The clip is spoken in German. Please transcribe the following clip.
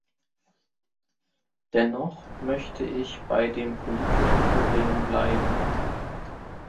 Dennoch möchte ich bei dem politischen Problem bleiben.